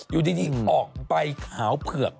อยู่ที่ดีออกไปขาวเผือก